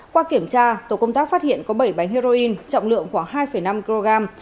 qua kiểm tra tổ công tác phát hiện có bảy bánh heroin trọng lượng khoảng hai năm kg